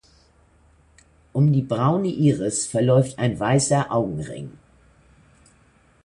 Um die braune Iris verläuft ein weißer Augenring.